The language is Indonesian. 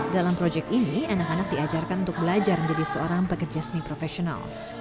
dalam proyek ini anak anak diajarkan untuk belajar menjadi seorang pekerja seni profesional